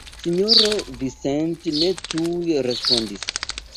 Sinjoro Vincent ne tuj respondis.